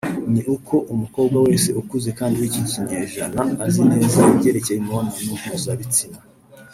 ni uko umukobwa wese ukuze kandi w’iki kinyejana azi neza ibyerekeye imibonano mpuza-bitsina